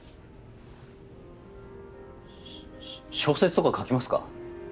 し小説とか書きますか？